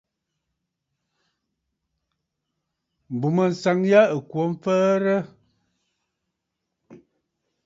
M̀bùmânsaŋ yâ ɨ̀ kwo mfəərə.